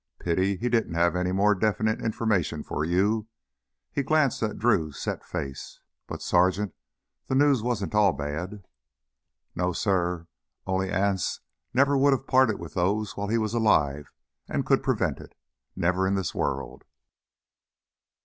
"Pity he didn't have any more definite information for you." He glanced at Drew's set face. "But, Sergeant, the news wasn't all bad " "No, suh. Only Anse never would have parted with those while he was alive and could prevent it never in this world!"